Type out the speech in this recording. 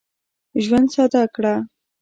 ژوند ساده کړه.